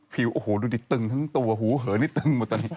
โอ้โหดูดิตึงทั้งตัวหูเหอนี่ตึงหมดตอนนี้